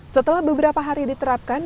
setelah beberapa hari diterapkan